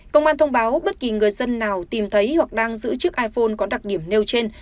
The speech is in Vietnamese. công an thông báo bất kỳ người dân nào tìm thấy hoặc đang giữ chiếc iphone có đặc điểm nêu trên